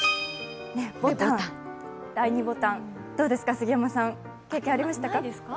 第２ボタン、どうですか、杉山さん、経験ありました？